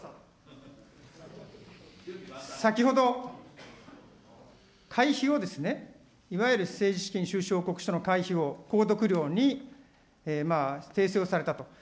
先ほど、会費をいわゆる政治資金収支報告書の会費を、購読料に訂正をされたと。